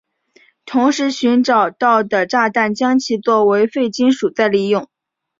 同时寻找到的炸弹将其作为废金属再利用。